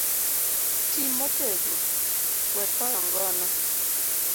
Ti motego, we toyo ngona